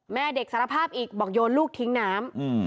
แม่เด็กสารภาพอีกบอกโยนลูกทิ้งน้ำ